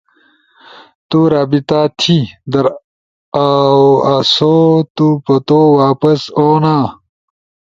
تو رابطہ تھی در اؤ سو تو پتو واپس اونا!